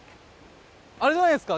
あれじゃないですか？